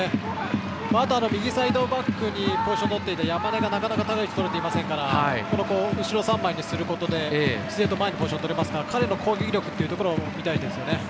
あと、右サイドバックにポジションを取っていた山根がなかなか、縦の位置をとれていないですから後ろを３枚にすることで自然と前にポジションとれますから彼の攻撃力を見たいですね。